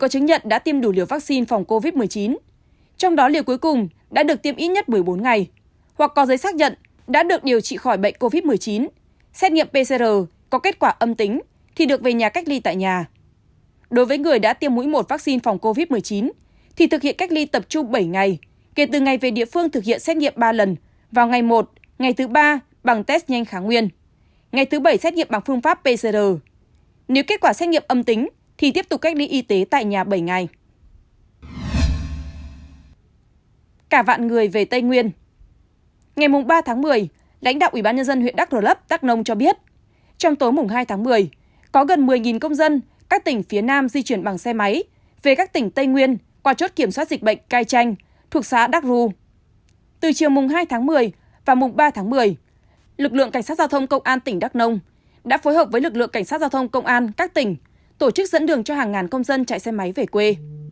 cảnh sát giao thông cộng an tỉnh đắk nông đã phối hợp với lực lượng cảnh sát giao thông cộng an các tỉnh tổ chức dẫn đường cho hàng ngàn công dân chạy xe máy về quê